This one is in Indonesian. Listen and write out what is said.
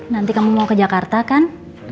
nanti kamu mau ke jakarta kan